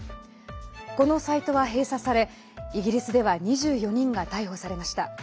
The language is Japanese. このサイトは閉鎖されイギリスでは２４人が逮捕されました。